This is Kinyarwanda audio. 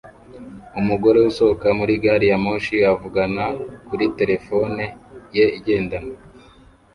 Umugore usohoka muri gari ya moshi avugana kuri terefone ye igendanwa